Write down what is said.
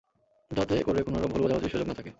যাতে করে কোনরূপ ভুল বুঝাবুঝির সুযোগ না থাকে।